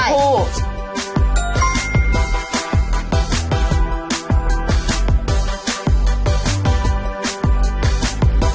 ฉันออก